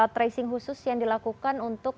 tracing khusus yang dilakukan untuk